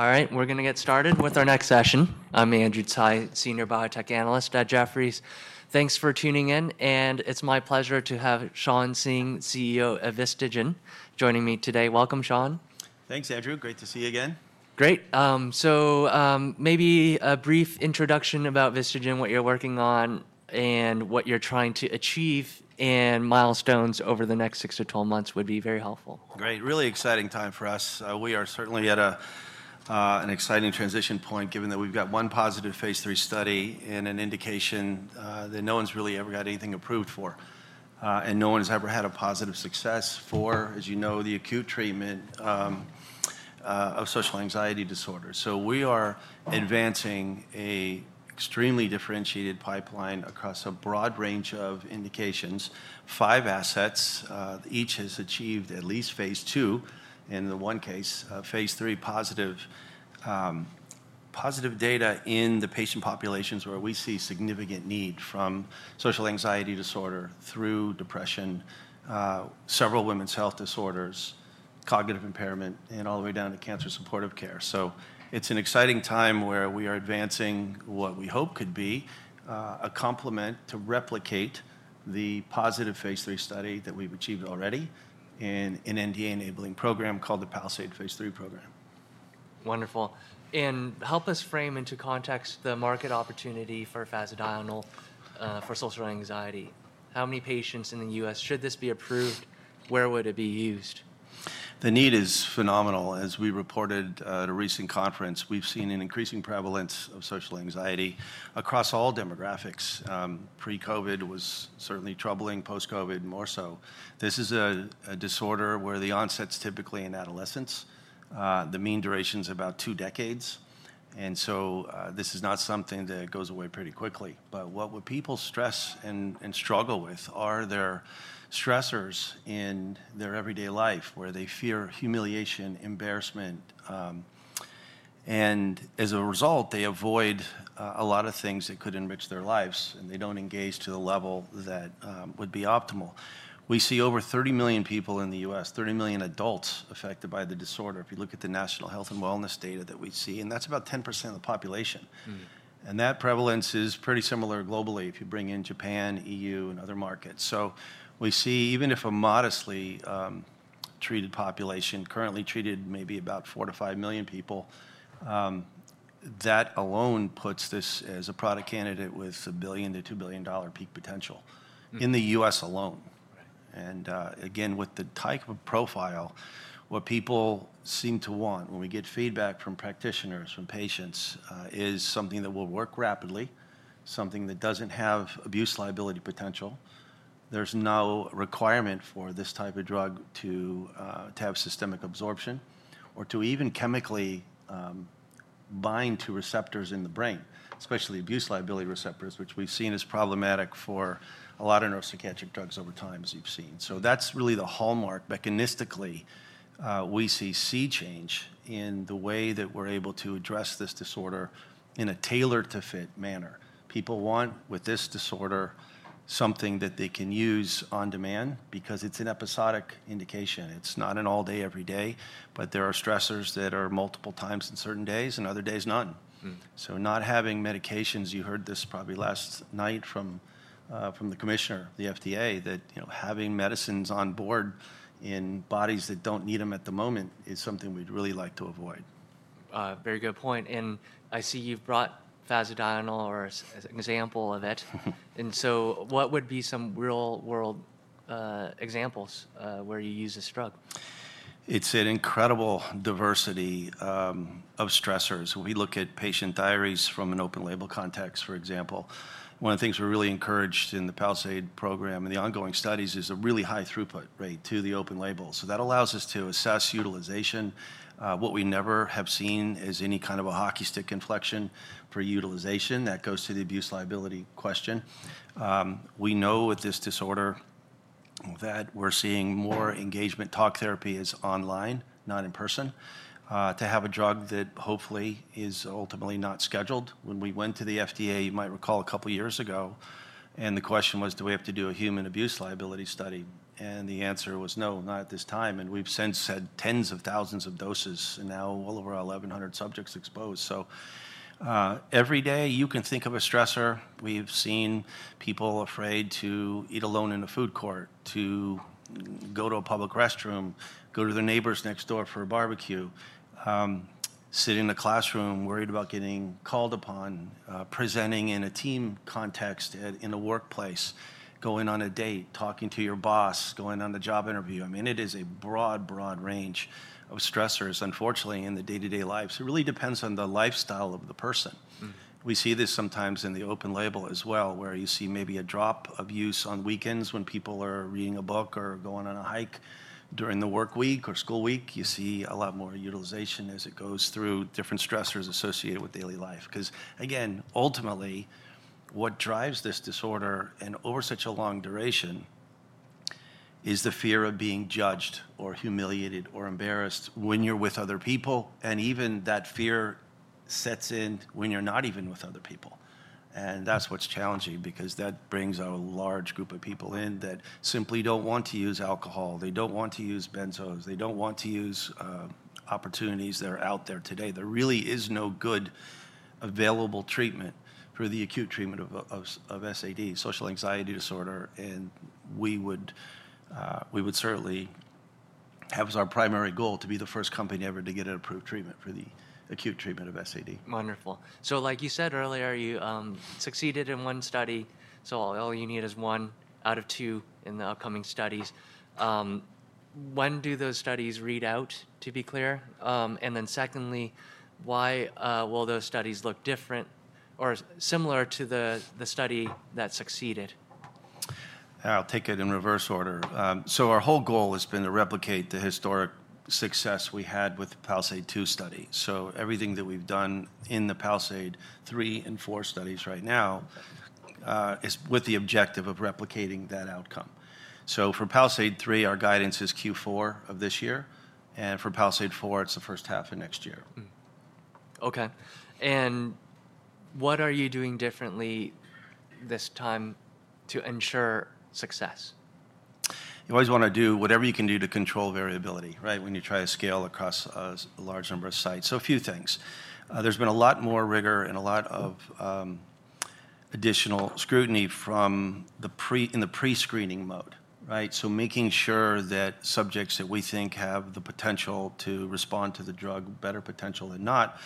All right, we're going to get started with our next session. I'm Andrew Tsai, Senior Biotech Analyst at Jefferies. Thanks for tuning in, and it's my pleasure to have Shawn Singh, CEO of VistaGen, joining me today. Welcome, Shawn. Thanks, Andrew. Great to see you again. Great. So maybe a brief introduction about VistaGen, what you're working on, and what you're trying to achieve, and milestones over the next 6 to 12 months would be very helpful. Great. Really exciting time for us. We are certainly at an exciting transition point, given that we've got one positive phase III study and an indication that no one's really ever got anything approved for, and no one's ever had a positive success for, as you know, the acute treatment of social anxiety disorder. We are advancing an extremely differentiated pipeline across a broad range of indications. Five assets. Each has achieved at least phase II, and in the one case, phase III positive data in the patient populations where we see significant need from social anxiety disorder through depression, several women's health disorders, cognitive impairment, and all the way down to cancer supportive care. It's an exciting time where we are advancing what we hope could be a complement to replicate the positive phase III study that we've achieved already in an NDA-enabling program called the PALISADE phase III program. Wonderful. Help us frame into context the market opportunity for fasedienol for social anxiety. How many patients in the U.S.? Should this be approved? Where would it be used? The need is phenomenal. As we reported at a recent conference, we've seen an increasing prevalence of social anxiety across all demographics. Pre-COVID was certainly troubling. Post-COVID, more so. This is a disorder where the onset's typically in adolescence. The mean duration's about two decades. This is not something that goes away pretty quickly. What people stress and struggle with are their stressors in their everyday life, where they fear humiliation, embarrassment. As a result, they avoid a lot of things that could enrich their lives, and they don't engage to the level that would be optimal. We see over 30 million people in the U.S., 30 million adults affected by the disorder. If you look at the national health and wellness data that we see, that's about 10% of the population. That prevalence is pretty similar globally if you bring in Japan, the EU, and other markets. We see, even if a modestly treated population currently treated maybe about 4-5 million people, that alone puts this as a product candidate with a $1 billion-$2 billion peak potential in the U.S. alone. Again, with the type of profile, what people seem to want when we get feedback from practitioners, from patients, is something that will work rapidly, something that does not have abuse liability potential. There is no requirement for this type of drug to have systemic absorption or to even chemically bind to receptors in the brain, especially abuse liability receptors, which we have seen is problematic for a lot of neuropsychiatric drugs over time, as you have seen. That is really the hallmark. Mechanistically, we see sea change in the way that we're able to address this disorder in a tailored-to-fit manner. People want, with this disorder, something that they can use on demand because it's an episodic indication. It's not an all-day, every day, but there are stressors that are multiple times in certain days and other days none. Not having medications—you heard this probably last night from the Commissioner, the FDA—that having medicines on board in bodies that don't need them at the moment is something we'd really like to avoid. Very good point. I see you've brought fasedienol or an example of it. What would be some real-world examples where you use this drug? It's an incredible diversity of stressors. We look at patient diaries from an open-label context, for example. One of the things we're really encouraged in the PALISADE program and the ongoing studies is a really high throughput rate to the open label. That allows us to assess utilization. What we never have seen is any kind of a hockey stick inflection for utilization. That goes to the abuse liability question. We know with this disorder that we're seeing more engagement. Talk therapy is online, not in person, to have a drug that hopefully is ultimately not scheduled. When we went to the FDA, you might recall a couple of years ago, and the question was, do we have to do a human abuse liability study? The answer was no, not at this time. We've since had tens of thousands of doses, and now all of our 1,100 subjects exposed. Every day you can think of a stressor. We've seen people afraid to eat alone in a food court, to go to a public restroom, go to their neighbors next door for a barbecue, sit in a classroom worried about getting called upon, presenting in a team context in a workplace, going on a date, talking to your boss, going on the job interview. I mean, it is a broad, broad range of stressors, unfortunately, in the day-to-day lives. It really depends on the lifestyle of the person. We see this sometimes in the open label as well, where you see maybe a drop of use on weekends when people are reading a book or going on a hike during the work week or school week. You see a lot more utilization as it goes through different stressors associated with daily life. Because again, ultimately, what drives this disorder and over such a long duration is the fear of being judged or humiliated or embarrassed when you're with other people. Even that fear sets in when you're not even with other people. That's what's challenging because that brings a large group of people in that simply don't want to use alcohol. They don't want to use benzos. They don't want to use opportunities that are out there today. There really is no good available treatment for the acute treatment of SAD, social anxiety disorder. We would certainly have as our primary goal to be the first company ever to get an approved treatment for the acute treatment of SAD. Wonderful. Like you said earlier, you succeeded in one study. All you need is one out of two in the upcoming studies. When do those studies read out, to be clear? Secondly, why will those studies look different or similar to the study that succeeded? I'll take it in reverse order. Our whole goal has been to replicate the historic success we had with the PALISADE II study. Everything that we've done in the PALISADE III and IV studies right now is with the objective of replicating that outcome. For PALISADE III, our guidance is Q4 of this year. For PALISADE IV, it's the first half of next year. Okay. What are you doing differently this time to ensure success? You always want to do whatever you can do to control variability, right, when you try to scale across a large number of sites. A few things. There's been a lot more rigor and a lot of additional scrutiny in the pre-screening mode, right? Making sure that subjects that we think have the potential to respond to the drug, better potential than not,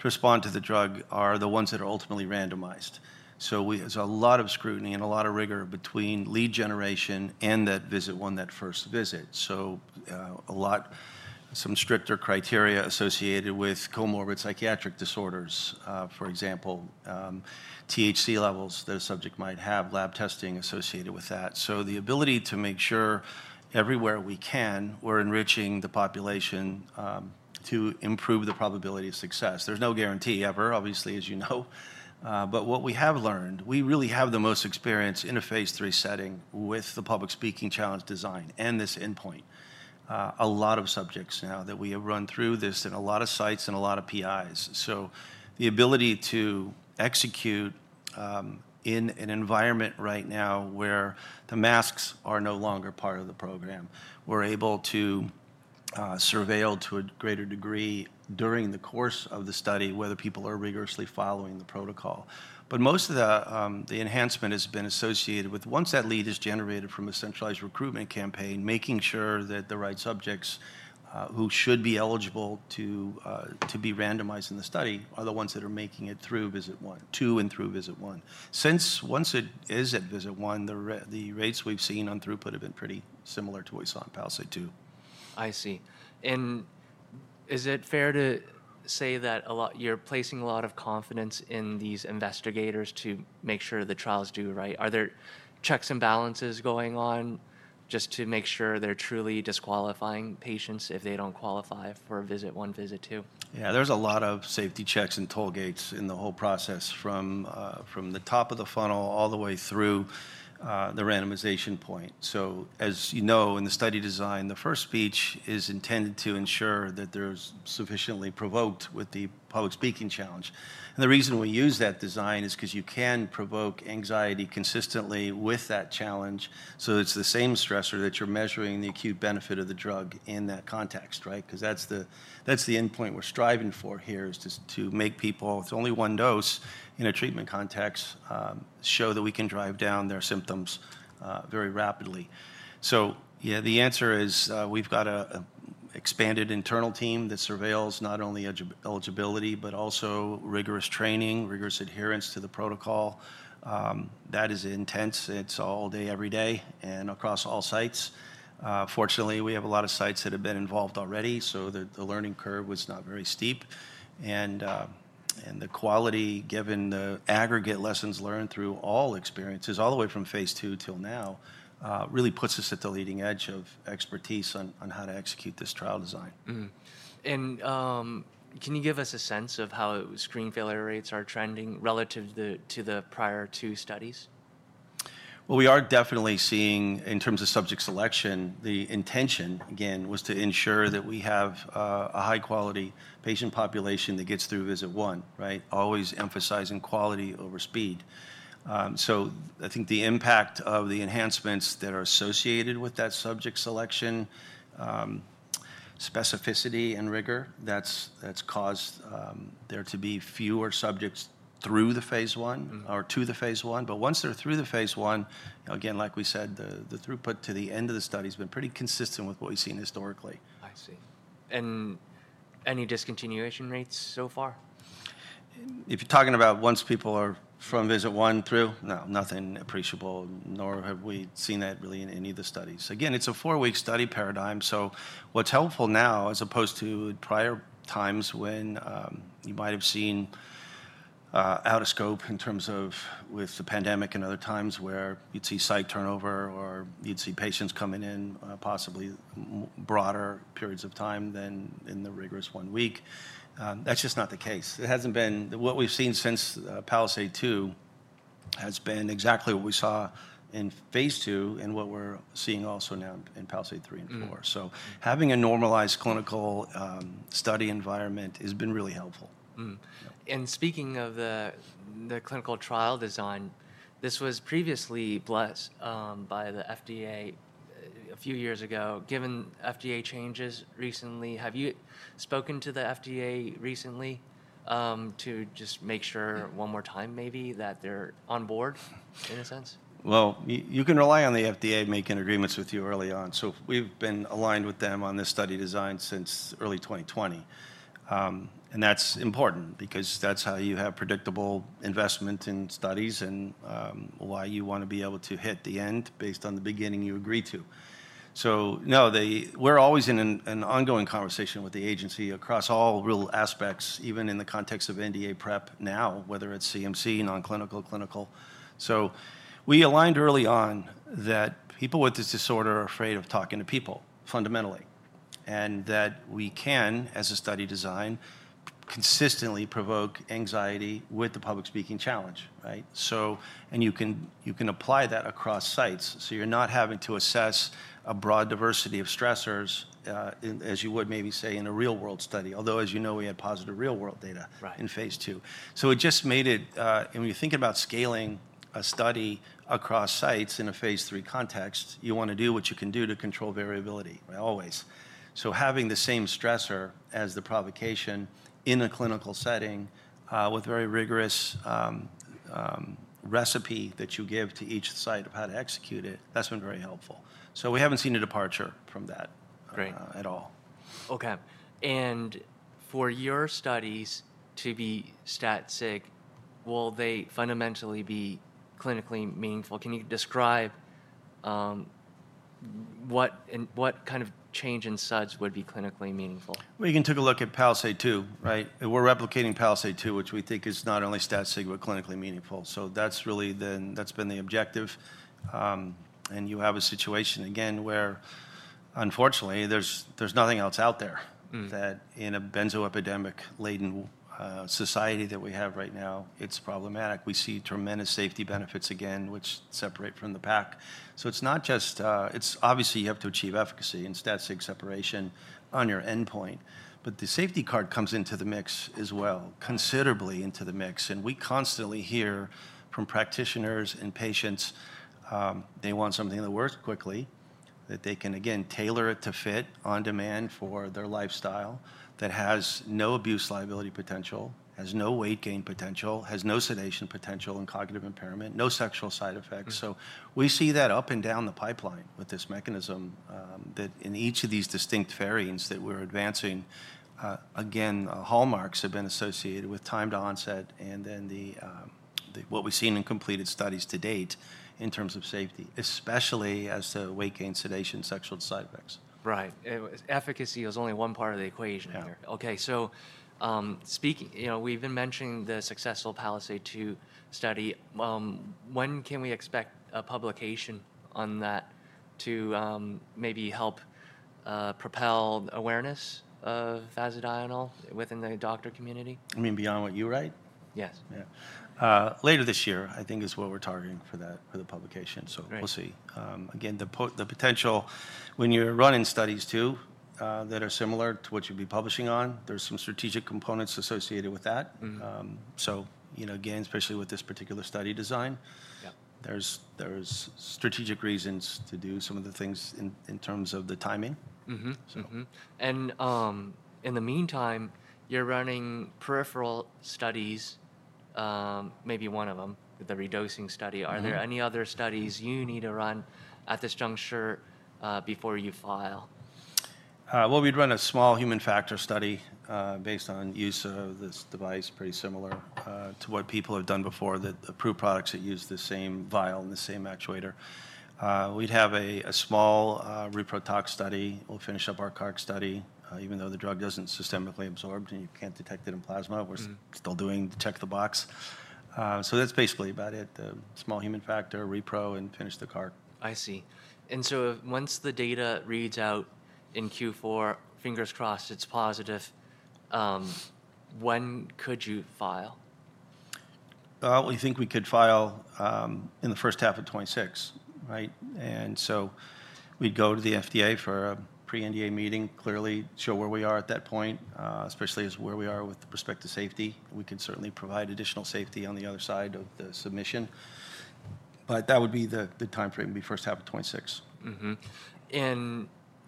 to respond to the drug, are the ones that are ultimately randomized. There's a lot of scrutiny and a lot of rigor between lead generation and that visit, one, that first visit. Some stricter criteria associated with comorbid psychiatric disorders, for example, THC levels that a subject might have, lab testing associated with that. The ability to make sure everywhere we can, we're enriching the population to improve the probability of success. There's no guarantee ever, obviously, as you know. What we have learned, we really have the most experience in a phase III setting with the public speaking challenge design and this endpoint. A lot of subjects now that we have run through this in a lot of sites and a lot of PIs. The ability to execute in an environment right now where the masks are no longer part of the program, we're able to surveil to a greater degree during the course of the study whether people are rigorously following the protocol. Most of the enhancement has been associated with, once that lead is generated from a centralized recruitment campaign, making sure that the right subjects who should be eligible to be randomized in the study are the ones that are making it through Vista II and through Vista I. Since once it is at VistaGen, the rates we've seen on throughput have been pretty similar to what we saw in PALISADE II. I see. Is it fair to say that you're placing a lot of confidence in these investigators to make sure the trials do right? Are there checks and balances going on just to make sure they're truly disqualifying patients if they don't qualify for Vista I, Vista II? Yeah, there's a lot of safety checks and toll gates in the whole process from the top of the funnel all the way through the randomization point. As you know, in the study design, the first speech is intended to ensure that they're sufficiently provoked with the public speaking challenge. The reason we use that design is because you can provoke anxiety consistently with that challenge. It's the same stressor that you're measuring the acute benefit of the drug in that context, right? That's the endpoint we're striving for here, just to make people with only one dose in a treatment context show that we can drive down their symptoms very rapidly. Yeah, the answer is we've got an expanded internal team that surveils not only eligibility, but also rigorous training, rigorous adherence to the protocol. That is intense. It's all day, every day, and across all sites. Fortunately, we have a lot of sites that have been involved already, so the learning curve was not very steep. The quality, given the aggregate lessons learned through all experiences all the way from phase II till now, really puts us at the leading edge of expertise on how to execute this trial design. Can you give us a sense of how screen failure rates are trending relative to the prior two studies? We are definitely seeing, in terms of subject selection, the intention, again, was to ensure that we have a high-quality patient population that gets through Vista I, right? Always emphasizing quality over speed. I think the impact of the enhancements that are associated with that subject selection, specificity and rigor, that's caused there to be fewer subjects through the phase I or to the phase I. Once they're through the phase I, again, like we said, the throughput to the end of the study has been pretty consistent with what we've seen historically. I see. Any discontinuation rates so far? If you're talking about once people are from VistaGen through, no, nothing appreciable, nor have we seen that really in any of the studies. Again, it's a four-week study paradigm. What's helpful now, as opposed to prior times when you might have seen out of scope in terms of with the pandemic and other times where you'd see site turnover or you'd see patients coming in possibly broader periods of time than in the rigorous one week, that's just not the case. It hasn't been what we've seen since PALISADE II has been exactly what we saw in phase II and what we're seeing also now in PALISADE III and IV. Having a normalized clinical study environment has been really helpful. Speaking of the clinical trial design, this was previously blessed by the FDA a few years ago. Given FDA changes recently, have you spoken to the FDA recently to just make sure one more time maybe that they're on board in a sense? You can rely on the FDA making agreements with you early on. We have been aligned with them on this study design since early 2020. That is important because that is how you have predictable investment in studies and why you want to be able to hit the end based on the beginning you agree to. We are always in an ongoing conversation with the agency across all real aspects, even in the context of NDA prep now, whether it is CMC, non-clinical, clinical. We aligned early on that people with this disorder are afraid of talking to people fundamentally, and that we can, as a study design, consistently provoke anxiety with the public speaking challenge, right? You can apply that across sites. You are not having to assess a broad diversity of stressors as you would maybe say in a real-world study. Although, as you know, we had positive real-world data in phase II. It just made it, when you think about scaling a study across sites in a phase III context, you want to do what you can do to control variability, always. Having the same stressor as the provocation in a clinical setting with a very rigorous recipe that you give to each site of how to execute it, that's been very helpful. We haven't seen a departure from that at all. Okay. For your studies to be stat-sig, will they fundamentally be clinically meaningful? Can you describe what kind of change in SUDS would be clinically meaningful? You can take a look at PALISADE II, right? We're replicating PALISADE II, which we think is not only stat-sig but clinically meaningful. That has really been the objective. You have a situation, again, where unfortunately, there's nothing else out there that, in a benzoepidemic-laden society that we have right now, is problematic. We see tremendous safety benefits again, which separate from the pack. It's not just that you have to achieve efficacy and stat-sig separation on your endpoint. The safety card comes into the mix as well, considerably into the mix. We constantly hear from practitioners and patients, they want something that works quickly, that they can, again, tailor to fit on demand for their lifestyle, that has no abuse liability potential, has no weight gain potential, has no sedation potential and cognitive impairment, no sexual side effects. We see that up and down the pipeline with this mechanism that in each of these distinct variants that we're advancing, again, hallmarks have been associated with time to onset and then what we've seen in completed studies to date in terms of safety, especially as to weight gain, sedation, sexual side effects. Right. Efficacy is only one part of the equation here. Okay. So we've been mentioning the successful PALISADE II study. When can we expect a publication on that to maybe help propel awareness of fasedienol within the doctor community? You mean beyond what you write? Yes. Yeah. Later this year, I think, is what we're targeting for that, for the publication. We'll see. Again, the potential when you're running studies too that are similar to what you'll be publishing on, there's some strategic components associated with that. Again, especially with this particular study design, Yup there's strategic reasons to do some of the things in terms of the timing. In the meantime, you're running peripheral studies, maybe one of them, the redosing study. Are there any other studies you need to run at this juncture before you file? We'd run a small human factor study based on use of this device, pretty similar to what people have done before, that the pre-products that use the same vial and the same actuator. We'd have a small repro tox study. We'll finish up our CARC study, even though the drug doesn't systemically absorb and you can't detect it in plasma. We're still doing check the box. That's basically about it. The small human factor, repro, and finish the CARC. I see. And so once the data reads out in Q4, fingers crossed, it's positive, when could you file? We think we could file in the first half of 2026, right? And so we'd go to the FDA for a pre-NDA meeting, clearly show where we are at that point, especially as where we are with respect to safety. We could certainly provide additional safety on the other side of the submission. But that would be the timeframe we first have in 2026.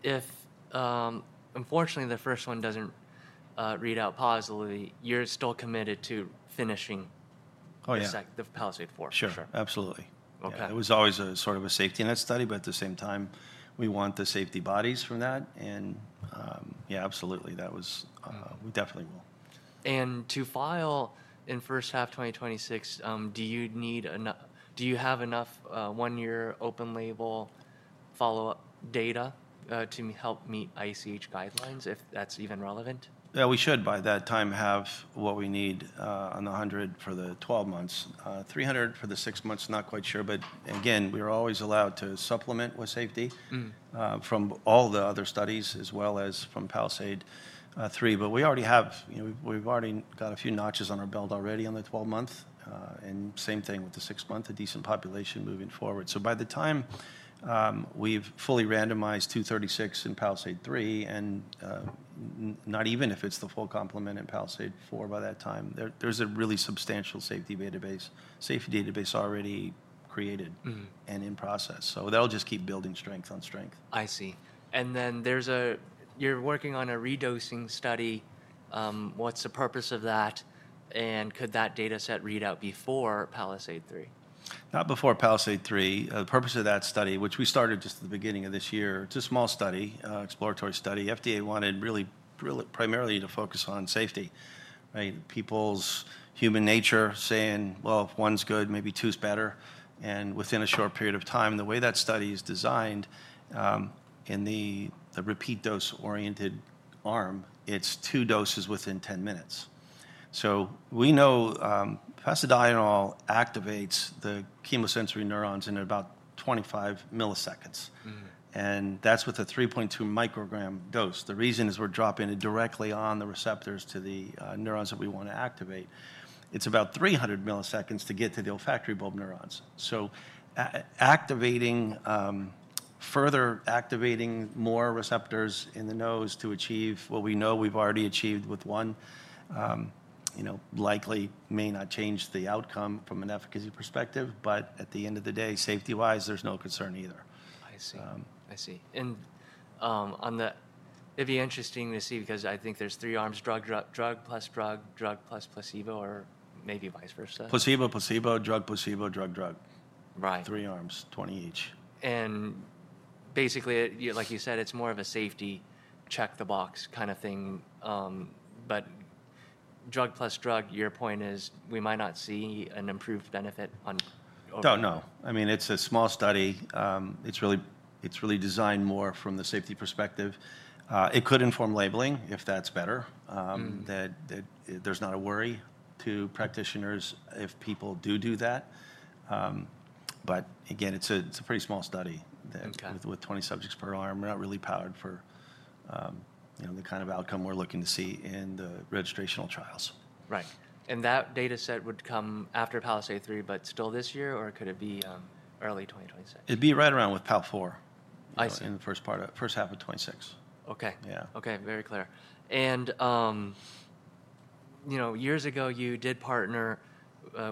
If unfortunately the first one doesn't read out positively, you're still committed to finishing the PALISADE IV? Oh, yeah. Sure. Absolutely. It was always a sort of a safety net study, but at the same time, we want the safety bodies from that. Yeah, absolutely, that was, we definitely will. To file in first half 2026, do you need enough, do you have enough one-year open label follow-up data to help meet ICH guidelines, if that's even relevant? Yeah, we should by that time have what we need on the 100 for the 12 months, 300 for the six months, not quite sure. Again, we are always allowed to supplement with safety from all the other studies as well as from PALISADE III. We already have a few notches on our belt already on the 12-month, and same thing with the six-month, a decent population moving forward. By the time we've fully randomized 236 in PALISADE III, and not even if it's the full complement in PALISADE IV by that time, there's a really substantial safety database already created and in process. That'll just keep building strength on strength. I see. You're working on a redosing study. What's the purpose of that? Could that data set read out before PALISADE III? Not before PALISADE III. The purpose of that study, which we started just at the beginning of this year, it's a small study, exploratory study. FDA wanted really primarily to focus on safety, right? People's human nature saying, well, if one's good, maybe two's better. Within a short period of time, the way that study is designed in the repeat dose-oriented arm, it's two doses within 10 minutes. We know fasedienol activates the chemosensory neurons in about 25 milliseconds. That's with a 3.2 microgram dose. The reason is we're dropping it directly on the receptors to the neurons that we want to activate. It's about 300 milliseconds to get to the olfactory bulb neurons. Activating further, activating more receptors in the nose to achieve what we know we've already achieved with one likely may not change the outcome from an efficacy perspective. At the end of the day, safety-wise, there's no concern either. I see. I see. It'd be interesting to see because I think there's three arms: drug, drug plus drug, drug plus placebo, or maybe vice versa. Placebo, placebo, drug, placebo, drug, drug. Right. Three arms, 20 each. Basically, like you said, it's more of a safety check-the-box kind of thing. Drug plus drug, your point is we might not see an improved benefit on. Oh, no. I mean, it's a small study. It's really designed more from the safety perspective. It could inform labeling if that's better, that there's not a worry to practitioners if people do do that. Again, it's a pretty small study with 20 subjects per arm. We're not really powered for the kind of outcome we're looking to see in the registrational trials. Right. And that data set would come after PALISADE III, but still this year, or could it be early 2026? It'd be right around with PALISADE IV in the first half of 2026. Okay. Okay. Very clear. Years ago, you did partner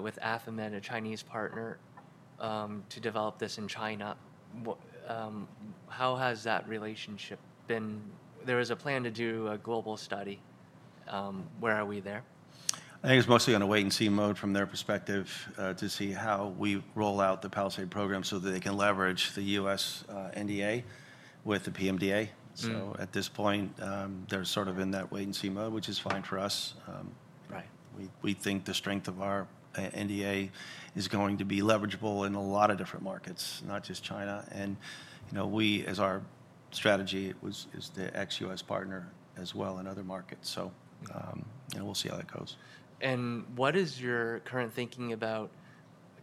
with AFAMED, a Chinese partner, to develop this in China. How has that relationship been? There is a plan to do a global study. Where are we there? I think it's mostly in a wait-and-see mode from their perspective to see how we roll out the PALISADE program so that they can leverage the U.S. NDA with the PMDA. At this point, they're sort of in that wait-and-see mode, which is fine for us. We think the strength of our NDA is going to be leverageable in a lot of different markets, not just China. We, as our strategy, is the ex-U.S. partner as well in other markets. We'll see how that goes. What is your current thinking about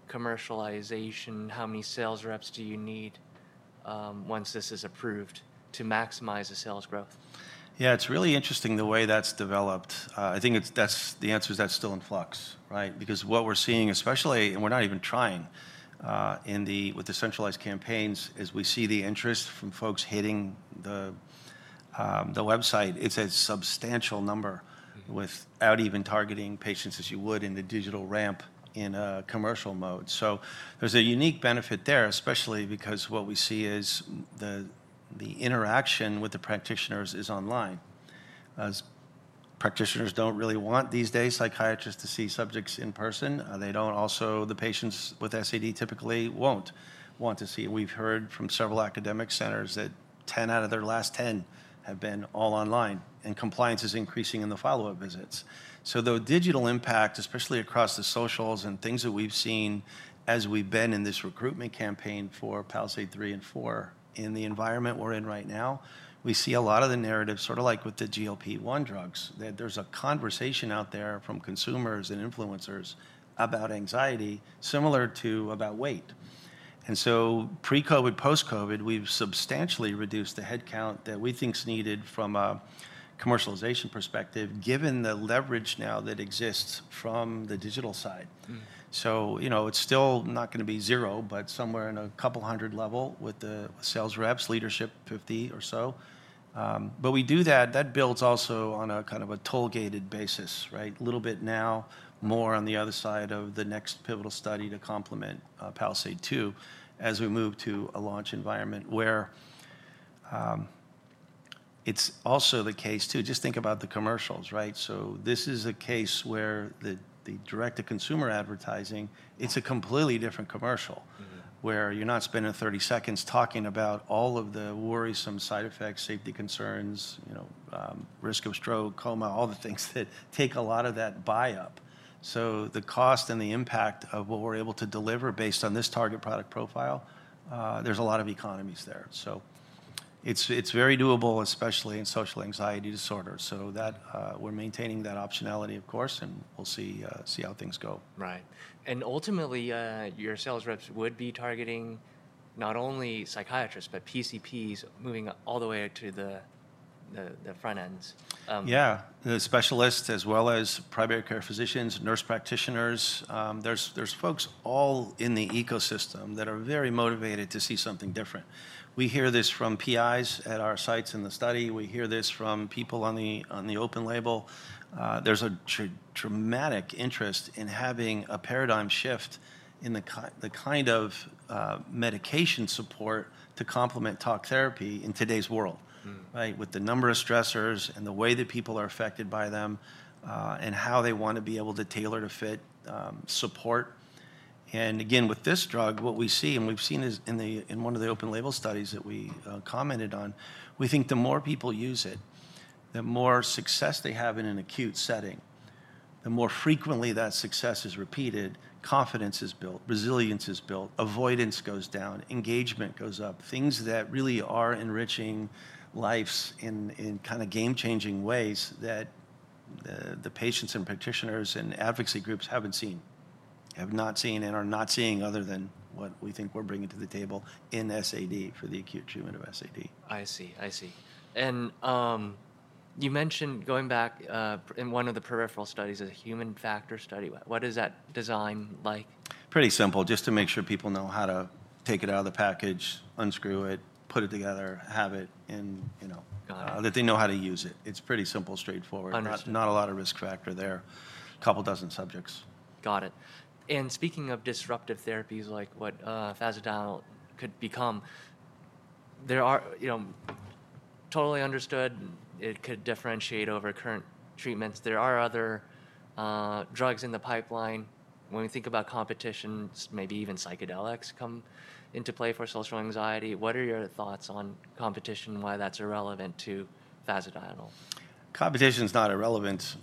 commercialization? How many sales reps do you need once this is approved to maximize the sales growth? Yeah, it's really interesting the way that's developed. I think the answer is that's still in flux, right? Because what we're seeing, especially, and we're not even trying with the centralized campaigns, is we see the interest from folks hitting the website. It's a substantial number without even targeting patients as you would in the digital ramp in a commercial mode. There's a unique benefit there, especially because what we see is the interaction with the practitioners is online. Practitioners don't really want these days psychiatrists to see subjects in person. They don't. Also, the patients with SAD typically won't want to see. We've heard from several academic centers that 10 out of their last 10 have been all online, and compliance is increasing in the follow-up visits. The digital impact, especially across the socials and things that we've seen as we've been in this recruitment campaign for PALISADE III and IV, in the environment we're in right now, we see a lot of the narrative, sort of like with the GLP-1 drugs, that there's a conversation out there from consumers and influencers about anxiety similar to about weight. Pre-COVID, post-COVID, we've substantially reduced the headcount that we think is needed from a commercialization perspective, given the leverage now that exists from the digital side. It's still not going to be zero, but somewhere in a couple hundred level with the sales reps, leadership, 50 or so. We do that. That builds also on a kind of a toll-gated basis, right? A little bit now, more on the other side of the next pivotal study to complement PALISADE II as we move to a launch environment where it's also the case too. Just think about the commercials, right? This is a case where the direct-to-consumer advertising, it's a completely different commercial where you're not spending 30 seconds talking about all of the worrisome side effects, safety concerns, risk of stroke, coma, all the things that take a lot of that buy-up. The cost and the impact of what we're able to deliver based on this target product profile, there's a lot of economies there. It is very doable, especially in social anxiety disorders. We're maintaining that optionality, of course, and we'll see how things go. Right. Ultimately, your sales reps would be targeting not only psychiatrists, but PCPs moving all the way to the front ends. Yeah. The specialists as well as primary care physicians, nurse practitioners. There's folks all in the ecosystem that are very motivated to see something different. We hear this from PIs at our sites in the study. We hear this from people on the open label. There's a dramatic interest in having a paradigm shift in the kind of medication support to complement talk therapy in today's world, right, with the number of stressors and the way that people are affected by them and how they want to be able to tailor to fit support. With this drug, what we see, and we've seen in one of the open label studies that we commented on, we think the more people use it, the more success they have in an acute setting, the more frequently that success is repeated, confidence is built, resilience is built, avoidance goes down, engagement goes up, things that really are enriching lives in kind of game-changing ways that the patients and practitioners and advocacy groups have not seen, and are not seeing other than what we think we're bringing to the table in SAD for the acute treatment of SAD. I see. I see. You mentioned going back in one of the peripheral studies, a human factor study. What is that design like? Pretty simple. Just to make sure people know how to take it out of the package, unscrew it, put it together, have it, and that they know how to use it. It is pretty simple, straightforward. Not a lot of risk factor there. A couple dozen subjects. Got it. Speaking of disruptive therapies like what fasedienol could become, totally understood, it could differentiate over current treatments. There are other drugs in the pipeline. When we think about competition, maybe even psychedelics come into play for social anxiety. What are your thoughts on competition and why that's irrelevant to fasedienol? Competition is not irrelevant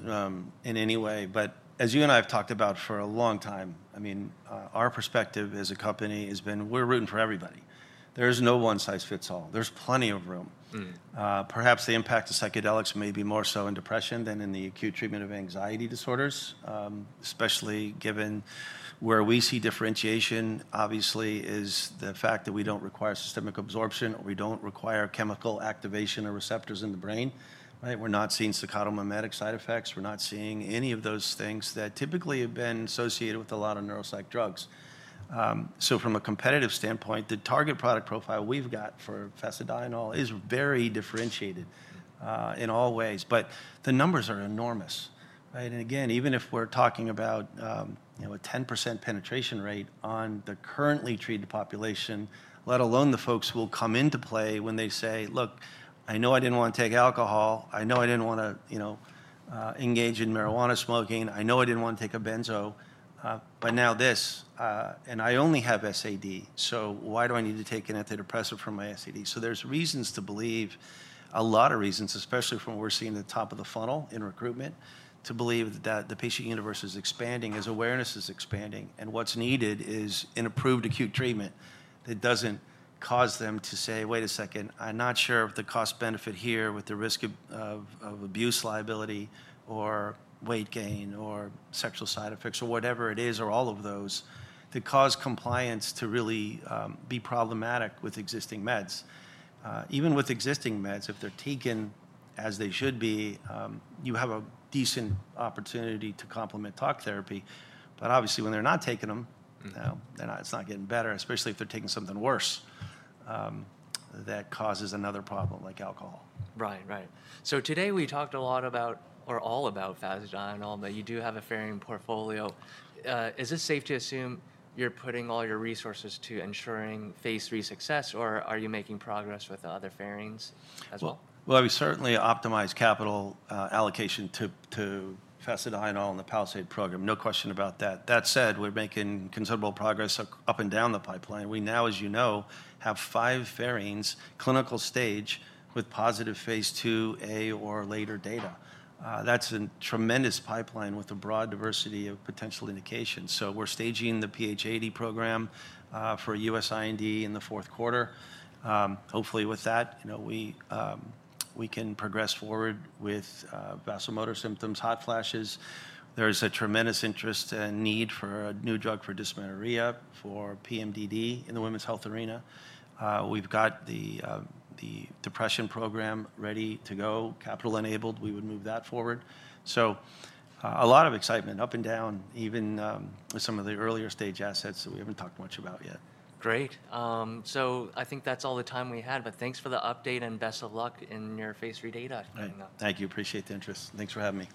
in any way. But as you and I have talked about for a long time, I mean, our perspective as a company has been we're rooting for everybody. There is no one-size-fits-all. There's plenty of room. Perhaps the impact of psychedelics may be more so in depression than in the acute treatment of anxiety disorders, especially given where we see differentiation, obviously, is the fact that we don't require systemic absorption or we don't require chemical activation of receptors in the brain, right? We're not seeing psychotomimetic side effects. We're not seeing any of those things that typically have been associated with a lot of neuropsych drugs. From a competitive standpoint, the target product profile we've got for fasedienol is very differentiated in all ways. The numbers are enormous, right? Again, even if we're talking about a 10% penetration rate on the currently treated population, let alone the folks who will come into play when they say, "Look, I know I didn't want to take alcohol. I know I didn't want to engage in marijuana smoking. I know I didn't want to take a benzo. Now this, and I only have SAD. Why do I need to take an antidepressant for my SAD?" There are reasons to believe, a lot of reasons, especially from what we are seeing at the top of the funnel in recruitment, to believe that the patient universe is expanding, as awareness is expanding, and what is needed is an approved acute treatment that does not cause them to say, "Wait a second, I am not sure of the cost-benefit here with the risk of abuse liability or weight gain or sexual side effects or whatever it is or all of those that cause compliance to really be problematic with existing meds." Even with existing meds, if they are taken as they should be, you have a decent opportunity to complement talk therapy. Obviously, when they are not taking them, it is not getting better, especially if they are taking something worse that causes another problem like alcohol. Right, right. Today we talked a lot about, or all about fasedienol, but you do have a fasedienol portfolio. Is it safe to assume you're putting all your resources to ensuring phase III success, or are you making progress with other fasedienols as well? We certainly optimize capital allocation to fasedienol and the PALISADE program. No question about that. That said, we're making considerable progress up and down the pipeline. We now, as you know, have five assets in clinical stage with positive phase IIa or later data. That's a tremendous pipeline with a broad diversity of potential indications. We're staging the PH80 program for U.S. IND in the fourth quarter. Hopefully, with that, we can progress forward with vasomotor symptoms, hot flashes. There is a tremendous interest and need for a new drug for dysmenorrhea, for PMDD in the women's health arena. We've got the depression program ready to go, capital-enabled. We would move that forward. A lot of excitement up and down, even with some of the earlier stage assets that we haven't talked much about yet. Great. I think that's all the time we had. Thanks for the update and best of luck in your phase III data. Thank you. Appreciate the interest. Thanks for having me.